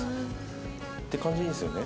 って感じでいいんですよね？